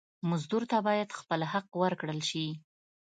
مزدور ته باید خپل حق ورکړل شي.